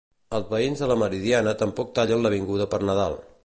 Els veïns de la Meridiana tampoc tallen l'avinguda per Nadal.